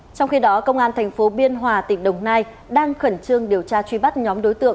trong khi đó công an thành phố biên hòa tỉnh đồng nai đang khẩn trương điều tra truy bắt nhóm đối tượng